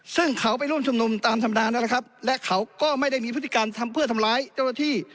ซึ่งเขาไปร่วมชุมนุมตามธรรมดานะครับและเขาก็ไม่ได้มีพฤติการทำเพื่อทำร้ายเจ้าหน้าที่